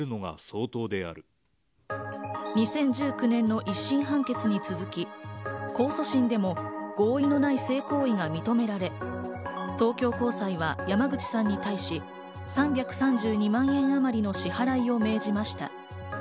２０１９年の１審判決に続き、控訴審でも合意のない性行為が認められ、東京高裁は山口さんに対し、３３２万円あまりの支払いを命じました。